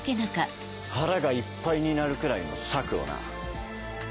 腹がいっぱいになるくらいの策をな。